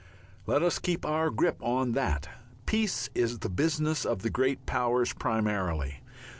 Let us keep our grip on that. Peace is the business of the great powers primarily.